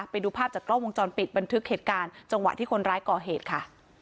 ไปดูภาพจากกล้องวงจรปิดบันทึกเหตุการณ์จังหวะที่คนร้ายก่อเหตุค่ะ